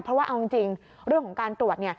เพราะว่าเอาจริงเรื่องของการตรวจ